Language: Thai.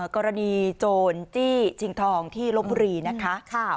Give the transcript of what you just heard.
กรณีโจรจี้ชิงทองที่ลบบุรีนะคะ